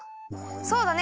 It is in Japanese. そうだね！